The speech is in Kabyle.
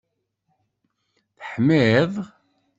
Teḥmiḍ?